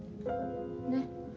ねっ。